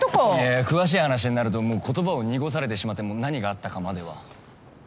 いや詳しい話になるともう言葉を濁されてしまって何があったかまでは。